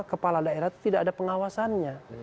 kepala daerah itu tidak ada pengawasannya